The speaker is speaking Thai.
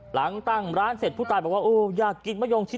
หลังตั้งร้านเสร็จผู้ตายบอกว่าโอ้อยากกินมะยงชิ